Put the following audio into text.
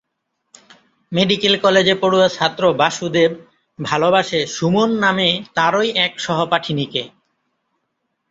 Medical কলেজে পড়ুয়া ছাত্র বাসুদেব ভালোবাসে সুমন নামে তারই এক সহপাঠিনীকে।